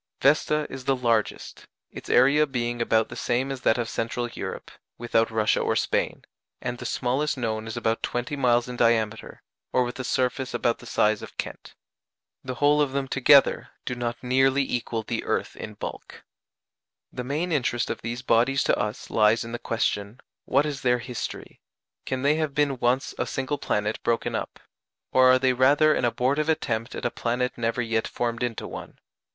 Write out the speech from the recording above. Vesta is the largest its area being about the same as that of Central Europe, without Russia or Spain and the smallest known is about twenty miles in diameter, or with a surface about the size of Kent. The whole of them together do not nearly equal the earth in bulk. The main interest of these bodies to us lies in the question, What is their history? Can they have been once a single planet broken up? or are they rather an abortive attempt at a planet never yet formed into one?